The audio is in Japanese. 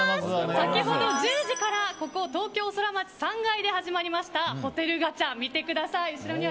先ほど１０時からここ、東京ソラマチ３階で始まりましたホテルガチャ、見てください。